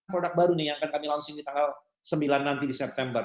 produk baru yang kami akan meluncurkan di tanggal sembilan nanti di september